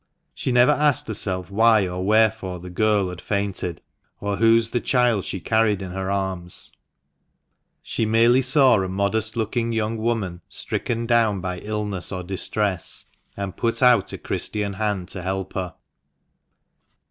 She never asked herself why or wherefore the girl had fainted, or whose the child she carried in her arms. She merely saw a * See Appendix. 40 THE MANCHESTER MAN. modest looking young woman stricken down by illness or distress, and put out a Christian hand to help her.